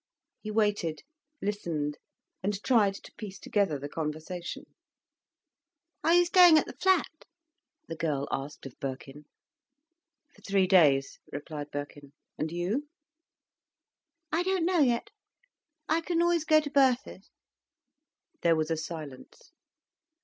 He waited, listened, and tried to piece together the conversation. "Are you staying at the flat?" the girl asked, of Birkin. "For three days," replied Birkin. "And you?" "I don't know yet. I can always go to Bertha's." There was a silence.